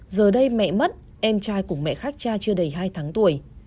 giờ đây mẹ mất em trai cùng mẹ khác cha chưa đầy hai tháng tuổi